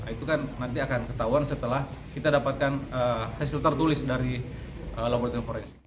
itu kan nanti akan ketahuan setelah kita dapatkan hasil tertulis dari laboratorium forensik